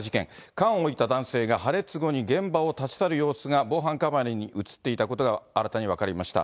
缶を置いた男性が破裂後に現場を立ち去る様子が防犯カメラに写っていたことが新たに分かりました。